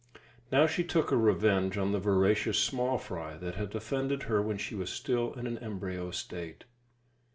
Now she took her revenge on the voracious small fry that had offended her when she was still in an embryo state.